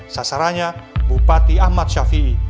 sasarannya bupati ahmad syafi'i